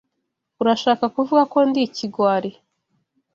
Urashaka kuvuga ko ndi ikigwari?